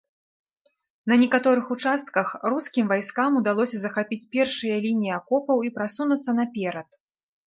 На некаторых участках рускім войскам удалося захапіць першыя лініі акопаў і прасунуцца наперад.